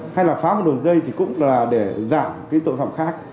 hay là phá một đường dây thì cũng là để giảm cái tội phạm khác